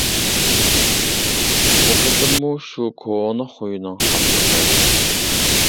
بۇ قېتىممۇ شۇ كونا خۇينىڭ خاپىلىقى.